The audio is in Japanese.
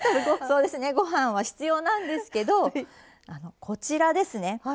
そうですねご飯は必要なんですけどこちらですね。